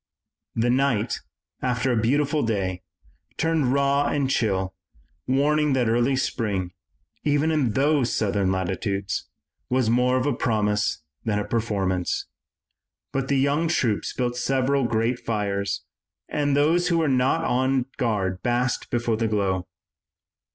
The night, after a beautiful day, turned raw and chill, warning that early spring, even in those southern latitudes, was more of a promise than a performance. But the young troops built several great fires and those who were not on guard basked before the glow.